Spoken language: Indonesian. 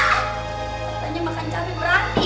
katanya makan cabai berhenti